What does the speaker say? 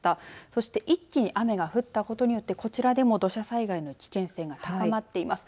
そして一気に雨が降ったことによって、こちらでも土砂災害の危険性が高まっています。